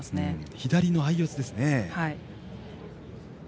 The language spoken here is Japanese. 左の相四つなんですね。